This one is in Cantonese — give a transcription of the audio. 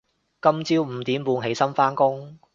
今朝五點半起身返工